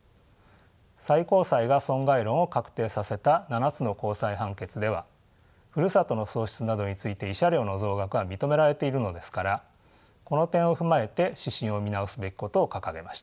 最高裁が損害論を確定させた７つの高裁判決ではふるさとの喪失などについて慰謝料の増額が認められているのですからこの点を踏まえて指針を見直すべきことを掲げました。